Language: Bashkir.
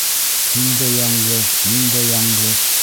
Һин дә яңғыҙ, мин дә яңғыҙ.